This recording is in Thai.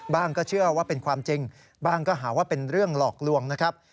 ก็เชื่อว่าเป็นความจริงบ้างก็หาว่าเป็นเรื่องหลอกลวงนะครับ